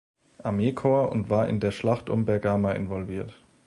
Armeekorps und war in der Schlacht um Bergama involviert.